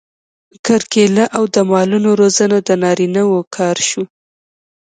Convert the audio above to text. کرکیله او د مالونو روزنه د نارینه وو کار شو.